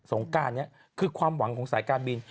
งการนี้คือความหวังของสายการบิน